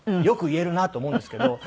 よく言えるなと思うんですけど。